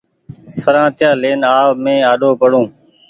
سرآتييآ لين آو مينٚ آڏو پڙون